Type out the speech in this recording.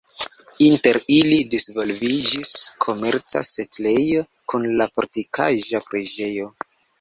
Inter ili disvolviĝis komerca setlejo kun la fortikaĵa preĝejo.